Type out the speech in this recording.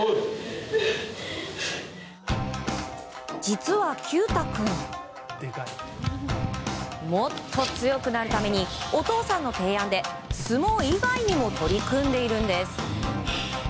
実は毬太君もっと強くなるためにお父さんの提案で相撲以外にも取り組んでいるんです。